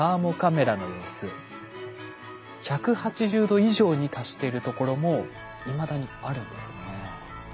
１８０度以上に達してるところもいまだにあるんですね。